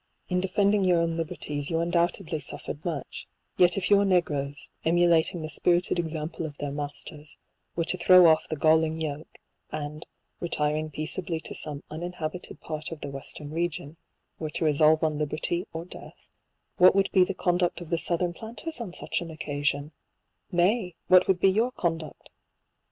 In defending your own liberties you undoubtedly suffered much j yet if your negroes, emulating the spirited example of their masters, were to throw off the galling yoke, and, retiring peaceably to some uninhabited part of the western region, were to resolve on liberty or death, what would be the conduct of the southern planters on such an occasion 1 Nay, what would be your conduct